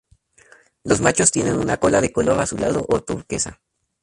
Los machos tienen una cola de color azulado o turquesa.